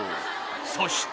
そして。